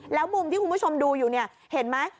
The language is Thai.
แล้วมุมที่คุณผู้ชมดูอยู่เนี่ยเห็นไหม